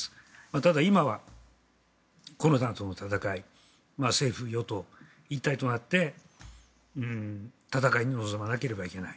ただ、今はコロナとの闘い政府・与党一体となって闘いに臨まないといけない。